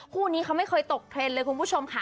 คู่นี้เขาไม่เคยตกเทรนด์เลยคุณผู้ชมค่ะ